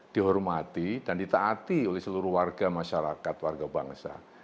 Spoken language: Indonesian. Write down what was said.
dihormati dan ditaati oleh seluruh warga masyarakat warga bangsa